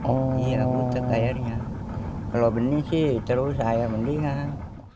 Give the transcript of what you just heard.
oh iya buta airnya kalau benih sih terus air mendingan